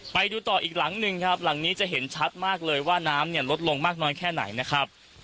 ไปดูต่ออีกหลังหนึ่งครับหลังนี้จะเห็นชัดมากเลยว่าน้ำเนี่ยลดลงมากน้อยแค่ไหนนะครับ